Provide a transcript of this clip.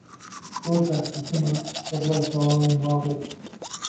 زۆر جار گوتوومە، بڕوای تەواوم وا بوو